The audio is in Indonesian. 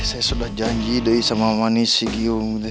saya sudah janji deh sama manisik yung